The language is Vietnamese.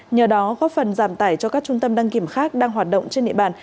nhờ đó góp phần giảm tải cho các trung tâm đăng kiểm khác đang hoạt động trên địa bàn